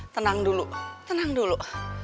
tenang dulu tenang dulu